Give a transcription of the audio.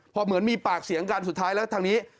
พอเหมือนมีปากเสียงกันสุดท้ายแล้วทางนี้